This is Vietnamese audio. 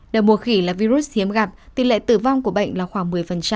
đầu mùa khỉ là virus hiếm gặp tỷ lệ tử vong của bệnh là khoảng một mươi